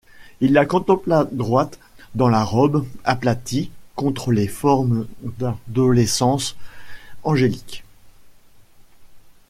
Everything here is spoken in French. Il la contempla droite dans la robe aplatie contre les formes d'adolescence angélique.